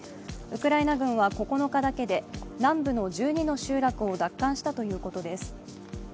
ウクライナ軍は９日だけで南部の１２の集落を奪還したということです。